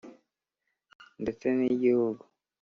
ndetse n' i gihugu.